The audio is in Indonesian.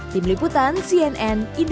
di meliputan cnn berkata